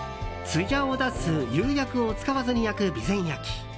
つやを出す釉薬を使わずに焼く備前焼。